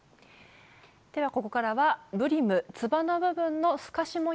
ではここからはブリムつばの部分の透かし模様の部分ですね。